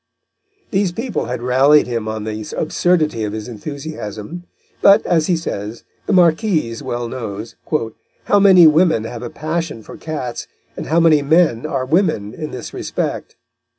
These people had rallied him on the absurdity of his enthusiasm; but, as he says, the Marquise well knows, "how many women have a passion for cats, and how many men are women in this respect."